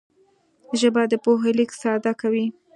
ژبه د پوهې لېږد ساده کوي